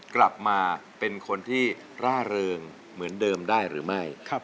กลับมาเป็นคนที่ร่าเริงเหมือนเดิมได้หรือไม่